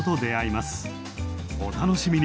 お楽しみに。